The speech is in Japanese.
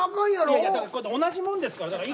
いや同じもんですから。